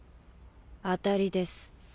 当たりです。